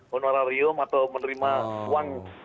honorarium atau menerima uang